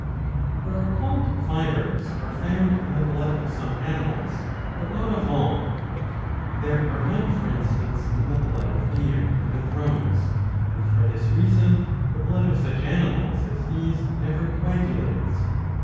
What are called fibres^ are found in the blood of some animals but not of all. There are none for instance in the blood of deer and of roes ; and for this reason the blood of such animals as these never coagulates.